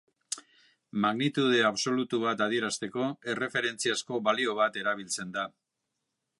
Magnitude absolutu bat adierazteko, erreferentziazko balio bat erabiltzen da.